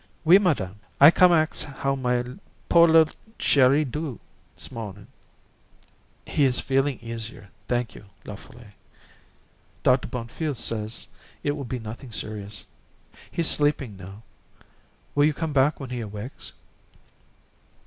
"Oui, madame. I come ax how my po' li'le Chéri do, 's mo'nin'." "He is feeling easier, thank you, La Folle. Dr. Bonfils says it will be nothing serious. He's sleeping now. Will you come back when he awakes?"